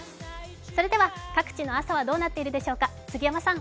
それでは各地の朝はどうなっているでしょうか